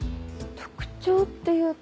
特徴っていうと。